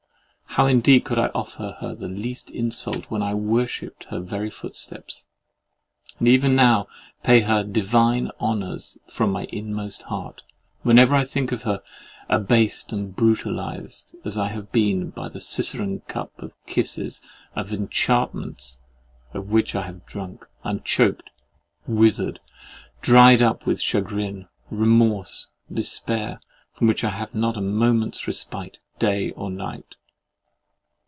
How indeed could I offer her the least insult when I worshipped her very footsteps; and even now pay her divine honours from my inmost heart, whenever I think of her, abased and brutalised as I have been by that Circean cup of kisses, of enchantments, of which I have drunk! I am choked, withered, dried up with chagrin, remorse, despair, from which I have not a moment's respite, day or night.